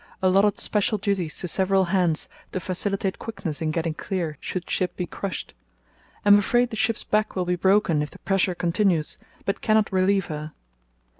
Allotted special duties to several hands to facilitate quickness in getting clear should ship be crushed. Am afraid the ship's back will be broken if the pressure continues, but cannot relieve her.